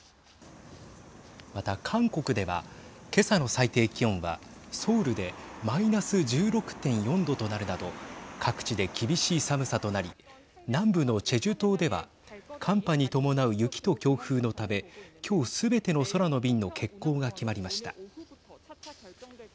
また韓国では今朝の最低気温がソウルでマイナス１６．４度となるなど各地で厳しい寒さとなり南部のチェジュ島では寒波に伴う雪と強風のため今日すべての空の便の欠航が決まりました。